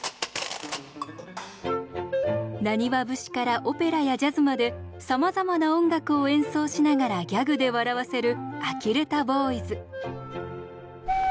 浪花節からオペラやジャズまでさまざまな音楽を演奏しながらギャグで笑わせるあきれたぼういず。